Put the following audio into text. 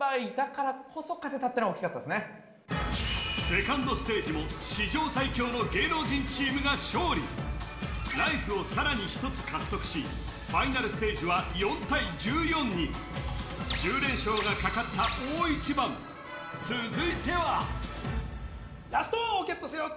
セカンドステージも史上最強の芸能人チームが勝利ライフをさらに１つ獲得しファイナルステージは４対１４に１０連勝がかかった大一番続いてはラストワンをゲットせよ！